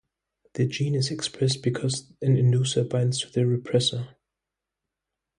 The gene is expressed because an inducer binds to the repressor.